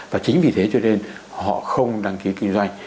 và chính vì thế cho nên họ không đăng ký kinh doanh